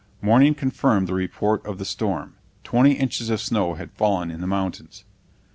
Morning confirmed the report of the storm; twenty inches of snow had fallen in the mountains.